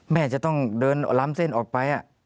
แหมจะต้องล้ำเส้นออกไป